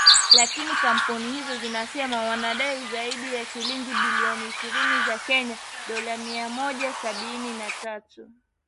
Lakini kampuni hizo zinasema wanadai zaidi ya shilingi bilioni ishirini za Kenya (dolla mia moja sabini na tatu milioni).